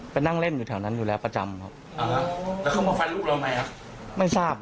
ไปนั่งเล่นอยู่แถวนั้นอยู่แล้วประจำครับ